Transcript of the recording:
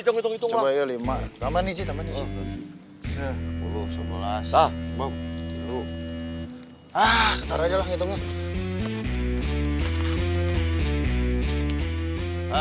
taruh aja lah ngitungnya